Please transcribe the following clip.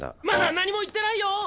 まだ何も言ってないよ！